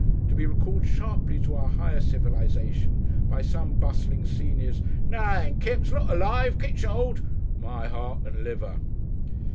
To be recalled sharply to our higher civilisation by some bustling senior's "Nar then, Kipps. Look alive! Ketch 'old. (My heart and lungs!)"